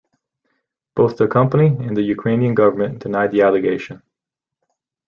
Both the company and the Ukrainian government denied the allegation.